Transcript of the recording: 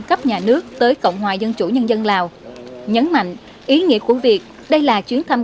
cấp nhà nước tới cộng hòa dân chủ nhân dân lào nhấn mạnh ý nghĩa của việc đây là chuyến thăm